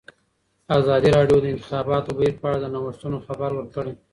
ازادي راډیو د د انتخاباتو بهیر په اړه د نوښتونو خبر ورکړی.